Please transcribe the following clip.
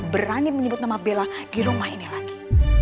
berani menyebut nama bella di rumah ini lagi